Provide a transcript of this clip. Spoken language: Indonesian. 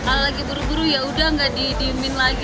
kalau lagi buru buru ya udah nggak diemin lagi